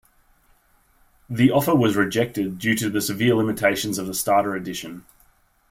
The offer was rejected due to the severe limitations of the Starter Edition.